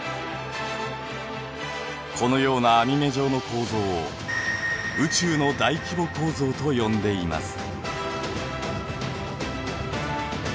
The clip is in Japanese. このような網目状の構造を宇宙の大規模構造と呼んでいます。